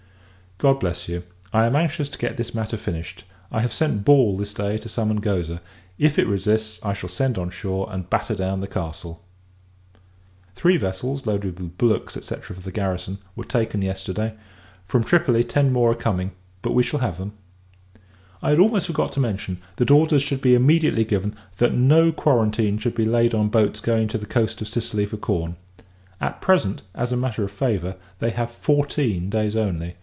God bless you! I am anxious to get this matter finished. I have sent Ball, this day, to summon Goza; if it resists, I shall send on shore, and batter down the castle. Three vessels, loaded with bullocks, &c. for the garrison, were taken yesterday; from Tripoli ten more are coming, but we shall have them. I had almost forgot to mention, that orders should be immediately given, that no quarantine should be laid on boats going to the coast of Sicily for corn. At present, as a matter of favour, they have fourteen days only.